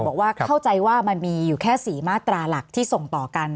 บอกว่าเข้าใจว่ามันมีอยู่แค่๔มาตราหลักที่ส่งต่อกัน